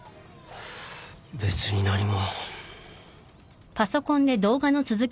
別に何も。